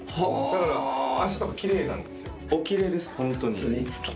だから脚とかきれいなんですよ。